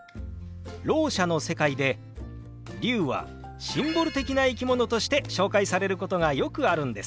ろう者の世界で龍はシンボル的な生き物として紹介されることがよくあるんです。